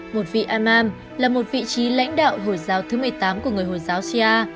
một vị amam là một vị trí lãnh đạo hồi giáo thứ một mươi tám của người hồi giáo sia